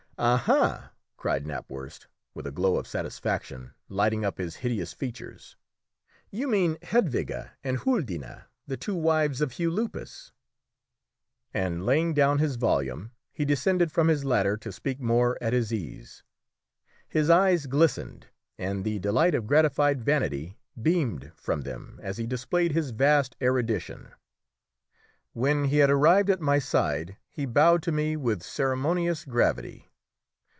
"Aha!" cried Knapwurst with a glow of satisfaction lighting up his hideous features; "you mean Hedwige and Huldine, the two wives of Hugh Lupus." And laying down his volume he descended from his ladder to speak more at his ease. His eyes glistened, and the delight of gratified vanity beamed from them as he displayed his vast erudition. When he had arrived at my side he bowed to me with ceremonious gravity.